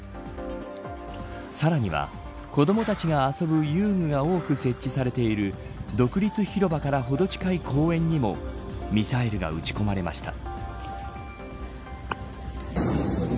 さらには、子どもたちが遊ぶ遊具が多く設置されている独立広場からほど近い公園にもミサイルが撃ち込まれました。